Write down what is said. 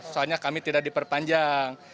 soalnya kami tidak diperpanjang